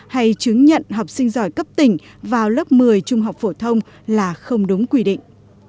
hay chứng nhận học sinh giỏi cấp tỉnh vào lớp một mươi trung học phổ thông là không đúng quy định